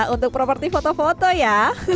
untuk properti foto foto ya